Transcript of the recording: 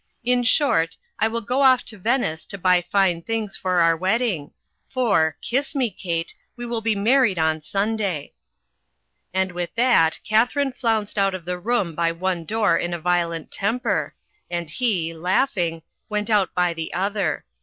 In short, I will go off to Venice to buy fine things for our wedding —for — ^kiss me, Kate! we will be married on Sunday." And with that, Katharine flounced out of the room by one door in a violent temper, and he, laughing, went out by the other.